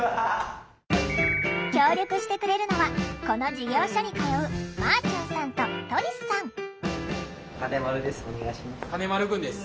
協力してくれるのはこの事業所に通う金丸君です。